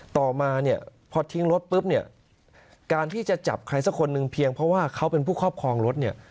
ต่อมาเนี่ยพอทิ้งรถปุ๊บเนี่ยการที่จะจับใครสักคนหนึ่งเพียงเพราะว่าเขาเป็นผู้ครอบครองรถเนี่ย